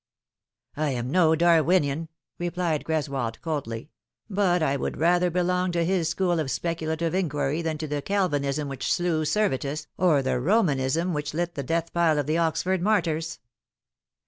" I am no Darwinian," replied Greswold coldly, " but I would rather belong to his school of speculative inquiry than to the Calvinism which slew Servetus, or the Romanism which lit the death pile of the Oxford martyrs."